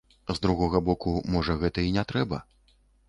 З другога боку, можа, гэта і не трэба?